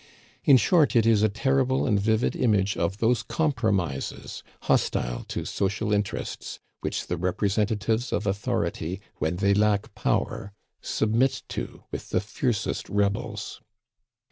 In short, it is a terrible and vivid image of those compromises, hostile to social interests, which the representatives of authority, when they lack power, submit to with the fiercest rebels.